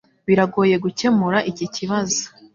Biragoye gukemura iki kibazo